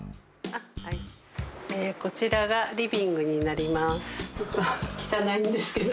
こちらがリビングになります。